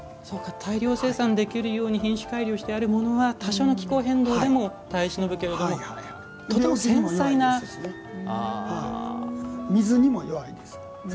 大量生産できるように品種改良してあるものは多少の気候変動でも耐え忍ぶけれど水にも弱いです。